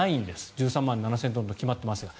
１３万７０００トンと決まってますから。